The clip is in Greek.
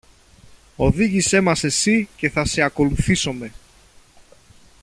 Οδήγησε μας εσύ και θα σε ακολουθήσομε!